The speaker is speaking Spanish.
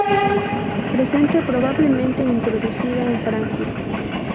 Presente, probablemente introducida, en Francia.